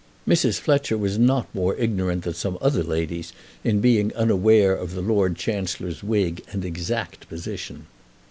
Mrs. Fletcher was not more ignorant than some other ladies in being unaware of the Lord Chancellor's wig and exact position.